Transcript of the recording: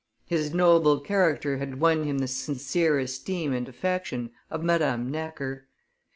His noble character had won him the sincere esteem and affection of Madame Necker.